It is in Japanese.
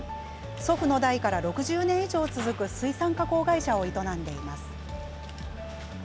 祖父の代から６０年以上続く水産加工会社を営んでいます。